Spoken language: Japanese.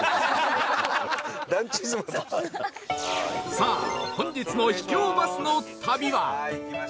さあ本日の秘境バスの旅は